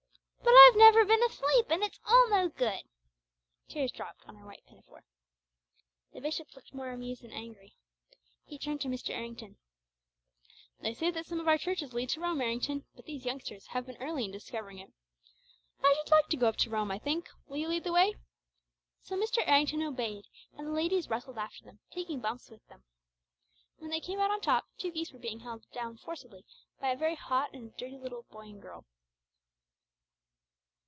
But I've never been athleep, and it's all no good!" Tears dropped on her white pinafore. The bishop looked more amused than angry. He turned to Mr. Errington "They say that some of our churches lead to Rome, Errington, but these youngsters have been early in discovering it. I should like to go up to Rome, I think. Will you lead the way?" So Mr. Errington obeyed, and the ladies rustled after them, taking Bumps with them. When they came out on top, two geese were being held down forcibly by a very hot and dirty little boy and girl.